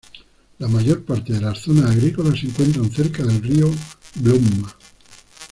La mayor parte de las zonas agrícolas se encuentran cerca del río Glomma.